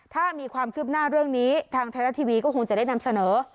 ถ้ามีความคืบหน้าเรื่องนี้ทางไทยรัฐทีวีก็คงจะได้นำเสนอ